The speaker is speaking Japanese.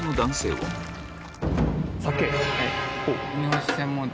はい。